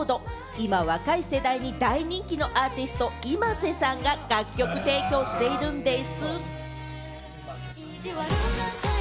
今、若い世代に大人気のアーティスト・ｉｍａｓｅさんが楽曲提供をしているんでぃす。